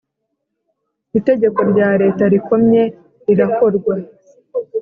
itegeko rya Leta rikomye rirakorwa